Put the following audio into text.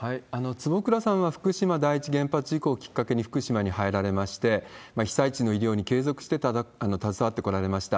坪倉さんは福島第一原発事故をきっかけに福島に入られまして、被災地の医療に継続して携わってこられました。